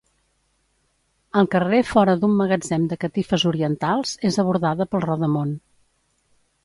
Al carrer fora d'un magatzem de catifes orientals, és abordada pel rodamón.